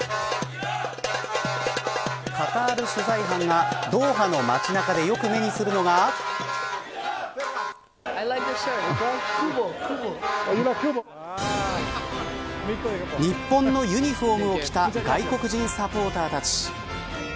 カタール取材班がドーハの街中でよく目にするのが日本のユニホームを着た外国人サポーターたち。